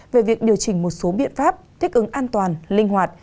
về việc điều chỉnh một số biện pháp thích ứng an toàn linh hoạt